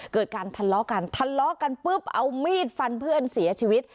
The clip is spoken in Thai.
เกิดการทะเลาะกันทะเลาะกันปุ๊บเอามีดฟันเพื่อนเสียชีวิต